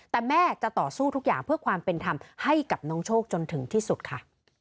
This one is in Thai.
แต่แม่จะต่อสู้ทุกอย่างเพื่อความเป็นธรรมให้กับน้องโชคจนถึงที่สุดค่ะ